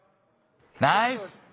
ナイス！